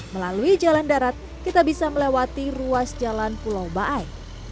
melalui jalan darat kita bisa melewati ruas jalan pulau baai